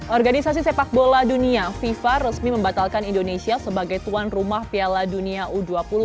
organisasi sepak bola dunia fifa resmi membatalkan indonesia sebagai tuan rumah piala dunia u dua puluh dua ribu dua puluh tiga